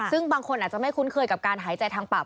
ซึ่งบางคนอาจจะไม่คุ้นเคยกับการหายใจทางปาก